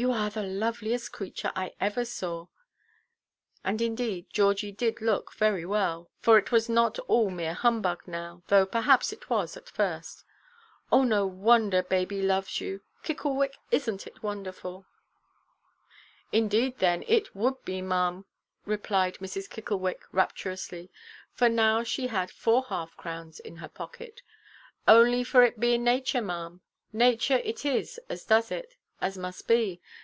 "You are the loveliest creature I ever saw." And, indeed, Georgie did look very well, for it was not all mere humbug now, though perhaps it was at first. "Oh, no wonder baby loves you. Kicklewick, isnʼt it wonderful?" "Indeed, then, and it would be, maʼam," replied Mrs. Kicklewick, rapturously—for now she had four half–crowns in her pocket—"only for it beinʼ nature, maʼam. Nature it is as does it, as must be.